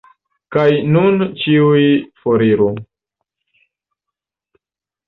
Kaj nun ĉiuj foriru.